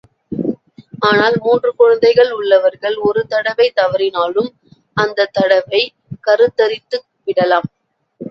ஆனால் மூன்று குழந்தைகள் உள்ளவர்கள் ஒரு தடவை தவறினாலும் அந்தத் தடவை கருத்தரித்துவிடலாம்.